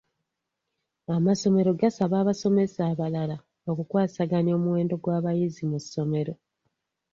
Amasomero gasaba abasomesa abalala okukwasaganya omuwendo gw'abayizi mu ssomero.